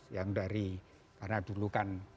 yang dari karena dulu kan